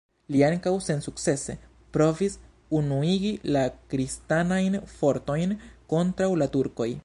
Li ankaŭ sensukcese provis unuigi la kristanajn fortojn kontraŭ la Turkoj.